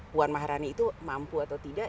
puan maharani itu mampu atau tidak